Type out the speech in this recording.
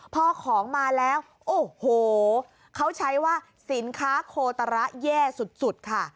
พอของมาแล้วโอ้โหเขาใช้ว่าสินค้าโคตระแย่สุดค่ะ